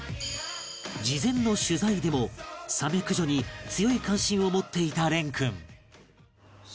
事前の取材でもサメ駆除に強い関心を持っていた蓮君